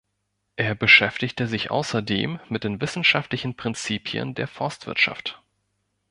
Er beschäftigte sich außerdem mit den wissenschaftlichen Prinzipien der Forstwirtschaft.